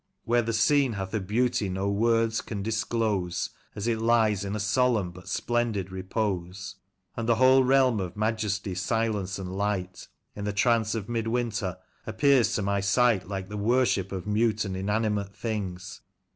Where the scene hath a beauty no words can disclose, As it lies in a solemn but splendid repose ; And the whole realm of majesty, silence, and light, In the trance of mid winter, appears to my sight Like the worship of mute and inanimate things.